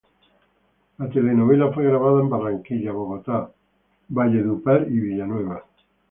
La telenovela fue grabada en Barranquilla, Bogotá, Valledupar y Villanueva.